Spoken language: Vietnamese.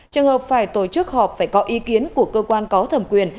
trường hợp phải tổ chức họp phải có ý kiến của cơ quan có thẩm quyền